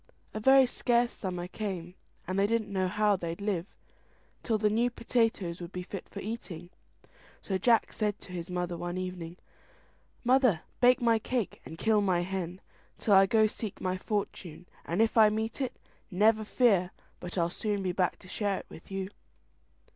A very scarce summer came, and they didn't know how they'd live till the new potatoes would be fit for eating. So Jack said to his mother one evening, "Mother, bake my cake, and kill my hen, till I go seek my fortune; and if I meet it, never fear but I'll soon be back to share it with you."